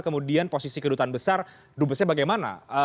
kemudian posisi kedutaan besar dubesnya bagaimana